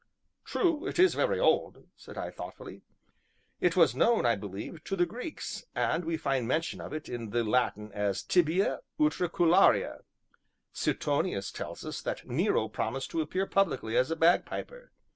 "True, it is very old," said I thoughtfully; "it was known, I believe, to the Greeks, and we find mention of it in the Latin as 'tibia utricularia;' Suetonius tells us that Nero promised to appear publicly as a bagpiper.